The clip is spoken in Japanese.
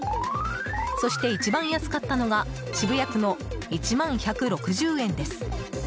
そして、一番安かったのが渋谷区の１万１６０円です。